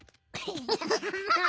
ヘハハハハ。